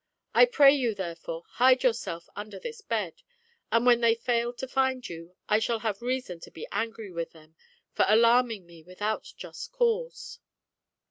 I pray you, therefore, hide yourself under this bed, and when they fail to find you I shall have reason to be angry with them for alarming me without just cause."